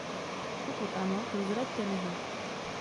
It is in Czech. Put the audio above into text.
Pokud ano, prozraďte mi ho.